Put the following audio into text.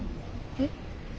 えっ？